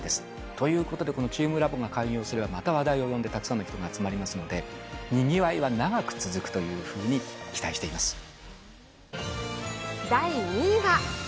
ということでこのチームラボが開業すればまた話題を呼んでたくさんの人が集まりますので、にぎわいは長く続くというふうに期待し第２位は。